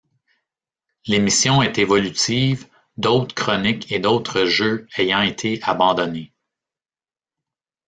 L'émission est évolutive, d'autres chroniques et d'autres jeux ayant été abandonnées.